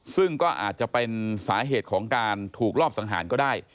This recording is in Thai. ซึ่งก็อาจจะเป็นสาเหตุของการถูกรอบสังหารก็ได้